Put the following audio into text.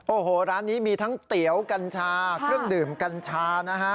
โอ้โหร้านนี้มีทั้งเตี๋ยวกัญชาเครื่องดื่มกัญชานะฮะ